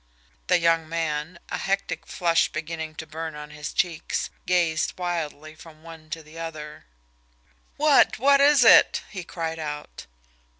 The young man, a hectic flush beginning to burn on his cheeks, gazed wildly from one to the other. "What what is it?" he cried out.